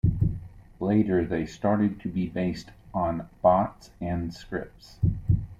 Later they started to be based on bots and scripts.